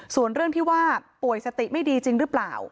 ส่วนเรื่องที่ว่าป่วยสติไม่ดีจริงหรือเปล่า